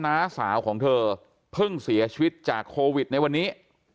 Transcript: น้าสาวของเธอเพิ่งเสียชีวิตจากโควิดในวันนี้